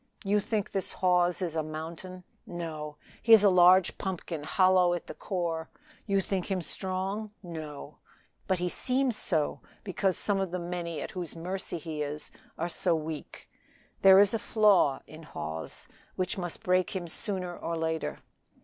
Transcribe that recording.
You think this Hawes is a mountain; no! he is a large pumpkin hollow at the core. You think him strong; no! he but seems so, because some of the many at whose mercy he is are so weak. There is a flaw in Hawes, which must break him sooner or later.